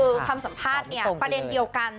คือความสัมภาษณ์ประเด็นเดียวกัน